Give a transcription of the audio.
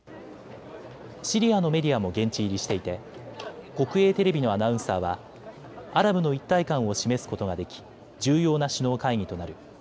シリアのメディアも現地入りしていて国営テレビのアナウンサーはアラブの一体感を示すことができ重要な首脳会議となる。